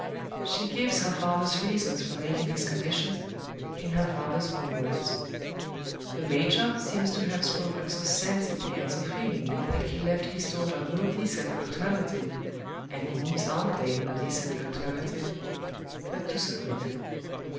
She gives her father's reasons for making his conditions, in her father's own words. The major seems to have spoken so sensibly and so feelingly that he left his daughter no decent alternative and he leaves Armadale no decent alternative but to submit.